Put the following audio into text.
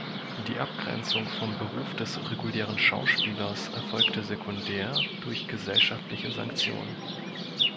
Die Abgrenzung vom Beruf des regulären Schauspielers erfolgte sekundär durch gesellschaftliche Sanktion.